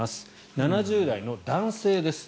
７０代の男性です。